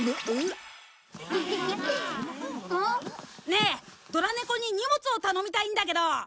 ねこに荷物を頼みたいんだけど！